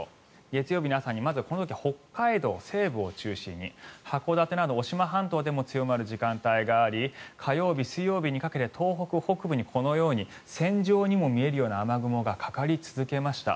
月曜日の朝にまず、北海道西部を中心に函館など渡島半島でも強まる時間帯があり火曜日、水曜日にかけて東北北部にこのように線状にも見えるような雨雲がかかり続けました。